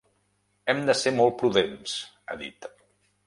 “Hem de ser molt prudents”, ha dit.